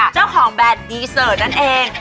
เจ้าของแบตดีเซอร์นั่นเอง